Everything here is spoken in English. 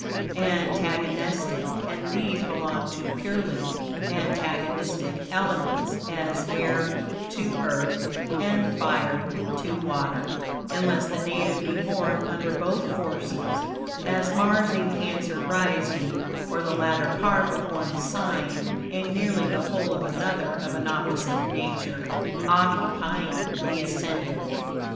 antagonistic, and these belong to purely antagonistic elements, as Air to Earth and Fire to Water, unless the native be born under BOTH forces, as Mars in Cancer rising, or the latter part of one sign and nearly the whole of another of an opposite nature, occupying the ascendant.